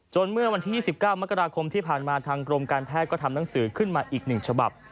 เมื่อวันที่๒๙มกราคมที่ผ่านมาทางกรมการแพทย์ก็ทำหนังสือขึ้นมาอีก๑ฉบับ